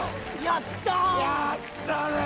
やったね！